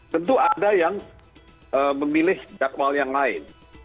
tentu ada yang memilih jadwal yang lain